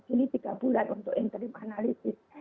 ini tiga bulan untuk interim analisis